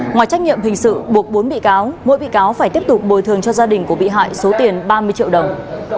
ngoài trách nhiệm hình sự buộc bốn bị cáo mỗi bị cáo phải tiếp tục bồi thường cho gia đình của bị hại số tiền ba mươi triệu đồng